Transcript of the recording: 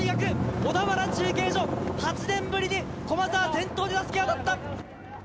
小田原中継所、８年ぶりに駒澤、先頭でたすきが渡った。